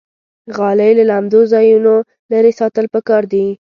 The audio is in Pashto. غالۍ له لمدو ځایونو لرې ساتل پکار دي.